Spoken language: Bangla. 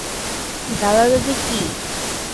দাদি দাদি কি?